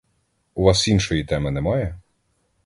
У вас іншої теми немає?